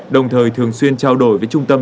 đồng thời thường xuyên trao đổi với trung tâm